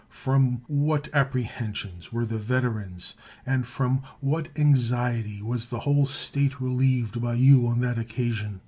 From what apprehensions were the veterans, and from what anxiety was the whole state relieved by you on that occasion!